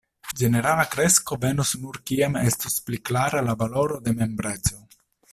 ”Ĝenerala kresko venos nur kiam estos pli klara la valoro de membreco”.